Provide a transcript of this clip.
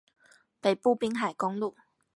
北部濱海公路